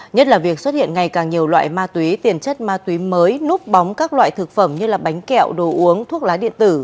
nhất là việc xuất hiện ngày càng nhiều loại ma túy tiền chất ma túy mới núp bóng các loại thực phẩm như bánh kẹo đồ uống thuốc lá điện tử